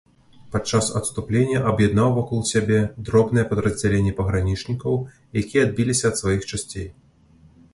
Падчас адступлення аб'яднаў вакол сябе дробныя падраздзяленні пагранічнікаў, якія адбіліся ад сваіх часцей.